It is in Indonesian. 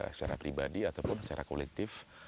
secara pribadi ataupun secara kolektif